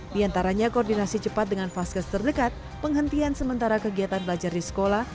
di antaranya koordinasi cepat dengan vaskes terdekat penghentian sementara kegiatan belajar di sekolah